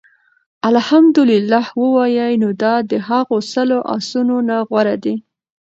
اَلْحَمْدُ لِلَّه ووايي، نو دا د هغو سلو آسونو نه غوره دي